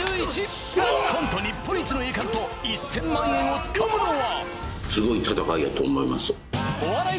日本一の栄冠と１０００万円をつかむのは！